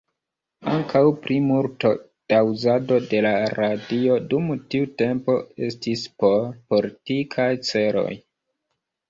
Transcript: Ankaŭ plimulto da uzado de la radio dum tiu tempo estis por politikaj celoj.